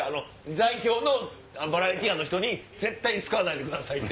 在京のバラエティー班の人に絶対に使わないでくださいって。